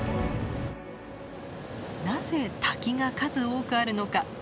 なぜ滝が数多くあるのか？